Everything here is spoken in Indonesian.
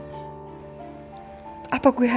gimana kalau polisi gak percaya